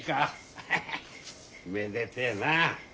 アハハめでてえな。